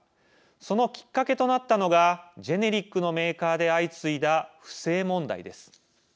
そのきっかけとなったのがジェネリックのメーカーで相次いだ不正問題です。